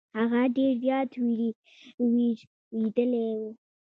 هغه ډير زيات ويرويدلې وه.